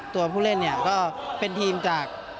ตัวผู้เล่นเนี่ยก็เป็นทีมจาก